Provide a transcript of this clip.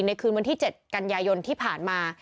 คืนวันที่๗กันยายนที่ผ่านมา